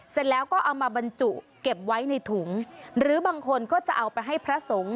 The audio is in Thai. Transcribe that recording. เสร็จแล้วก็เอามาบรรจุเก็บไว้ในถุงหรือบางคนก็จะเอาไปให้พระสงฆ์